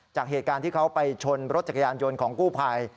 จากเหตุการณ์ที่เขาไปชนรถจักรยานยนต์ของกู้ภัย